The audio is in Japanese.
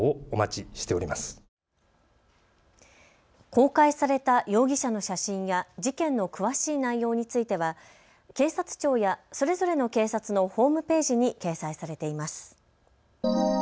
公開された容疑者の写真や事件の詳しい内容については警察庁やそれぞれの警察のホームページに掲載されています。